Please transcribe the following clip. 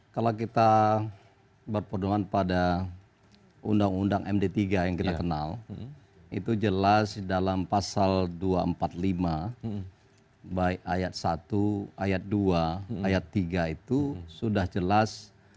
kalau kita berpedoman pada undang undang md tiga yang kita kenal itu jelas dalam pasal dua ratus empat puluh lima baik ayat satu ayat dua ayat tiga itu sudah jelas